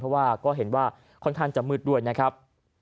เพราะว่าก็เห็นว่าค่อนข้างจะมืดด้วยนะครับ